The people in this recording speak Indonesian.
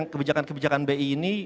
kebijakan kebijakan bi ini